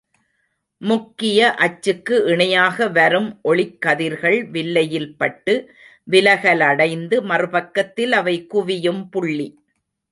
முக்கிய அச்சுக்கு இணையாக வரும் ஒளிக் கதிர்கள் வில்லையில் பட்டு விலகலடைந்து மறுபக்கத்தில் அவை குவியும் புள்ளி.